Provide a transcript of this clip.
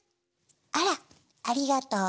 あらっありがとう！